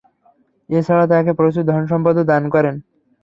এ ছাড়া তাঁকে প্রচুর ধন-সম্পদও দান করেন।